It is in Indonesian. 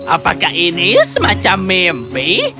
apakah ini semacam mimpi